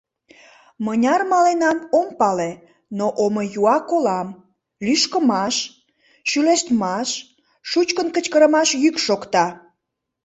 Мыняр маленам, ом пале, но омыюа колам: лӱшкымаш, шӱлештмаш, шучкын кычкырымаш йӱк шокта.